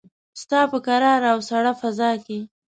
ستا په کراره او ساړه فضاکې